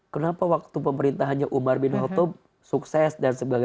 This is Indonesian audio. kenapa waktu pemerintahannya umar bin khotob sukses dan sebagainya